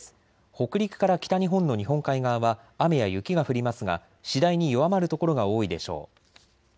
北陸から北日本の日本海側は雨や雪が降りますが次第に弱まる所が多いでしょう。